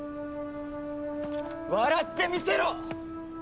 笑ってみせろ！